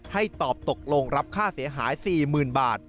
ให้ตอบตกลงรับค่าเสียหาย๔๐๐๐บาท